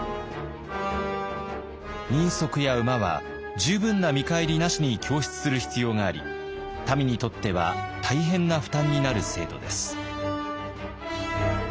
人足や馬は十分な見返りなしに供出する必要があり民にとっては大変な負担になる制度です。